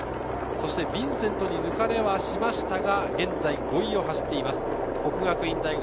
ヴィンセントに抜かれはしましたが、現在５位を走っています國學院大學。